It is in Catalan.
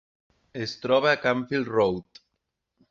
Es troba a Canfield Rd.